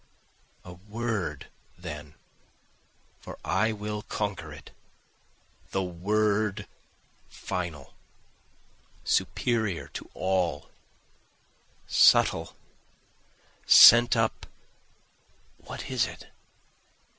A word then, (for I will conquer it,) The word final, superior to all, Subtle, sent up what is it?